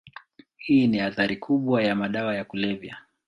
Hii ni athari kubwa ya madawa ya kulevya.